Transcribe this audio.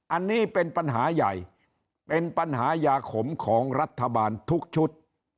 อันนี้เป็นปัญหาใหญ่เป็นปัญหายาขมของรัฐบาลทุกชุด